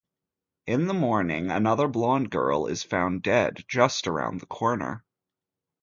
In the morning, another blonde girl is found dead, just around the corner.